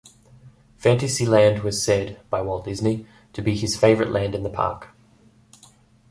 Fantasyland was said, by Walt Disney, to be his favorite land in the park.